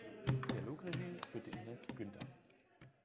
Dialogregie führte Inez Günther.